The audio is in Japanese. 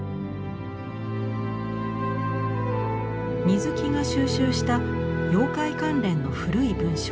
水木が蒐集した妖怪関連の古い文書。